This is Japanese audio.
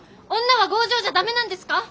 女は強情じゃ駄目なんですか？